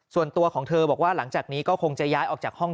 ส่วนตัวของเธอบอกว่าหลังจากนี้ก็คงจะย้ายออกจากห้อง